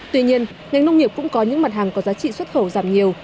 tuy nhiên ngành nông nghiệp cũng có những mặt hàng có giá trị xuất khẩu giảm nhiều